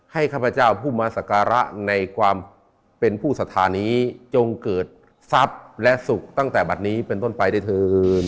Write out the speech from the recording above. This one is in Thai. ข้าพเจ้าผู้มาสการะในความเป็นผู้สถานีจงเกิดทรัพย์และสุขตั้งแต่บัตรนี้เป็นต้นไปได้เถิน